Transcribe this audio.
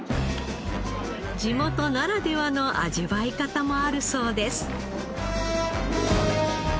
地元ならではの味わい方もあるそうです。